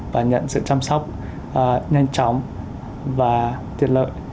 và nhận sự chăm sóc nhanh chóng và tiện lợi